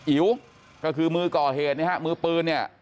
อิ๋วก็คือมือก่อเหตุมือปืนนี่ฮะ